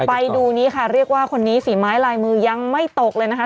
ไปดูนี้ค่ะเรียกว่าคนนี้ฝีไม้ลายมือยังไม่ตกเลยนะคะ